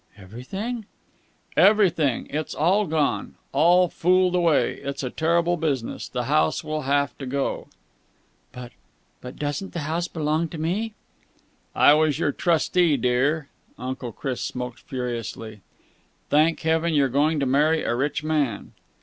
"Everything?" "Everything! It's all gone! All fooled away. It's a terrible business. This house will have to go." "But but doesn't the house belong to me?" "I was your trustee, dear." Uncle Chris smoked furiously. "Thank heaven you're going to marry a rich man!"